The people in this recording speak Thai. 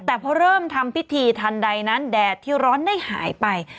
แต่พอเริ่มทำพิธีทันใดนั้นแดดที่ร้อนได้หายไป